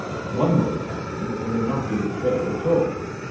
"One way, captain, in her not bein' fair at all.